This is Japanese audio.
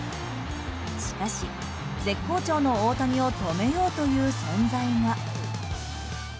しかし、絶好調の大谷を止めようという存在が。